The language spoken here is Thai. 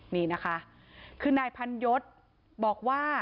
นี่นะคะคือนายพันยศบอกว่า